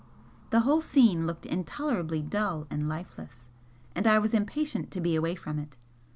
The whole scene looked intolerably dull and lifeless, and I was impatient to be away from it.